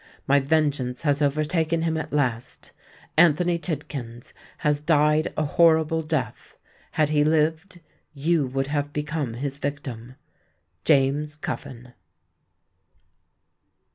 My vengeance has overtaken him at last. Anthony Tidkins has died a horrible death:—had he lived, you would have become his victim. "JAMES CUFFIN."